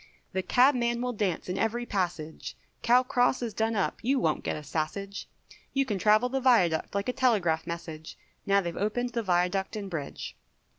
The cabman will dance in every passage, Cow Cross is done up, you wont get a sassage, You can travel the Viaduct like a telegraph message, Now they've opened the Viaduct & Bridge.